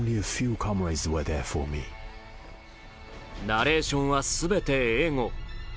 ナレーションは全て英語。